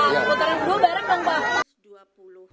ya putaran dua bareng lomba